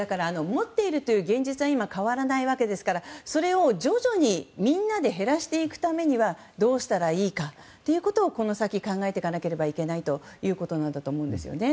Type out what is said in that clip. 持っているという現実は今、変わらないわけですからそれを徐々にみんなで減らしていくためにはどうしたらいいかということをこの先考えていかなければいけないということだと思います。